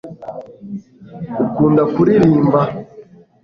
ukunda kuririmba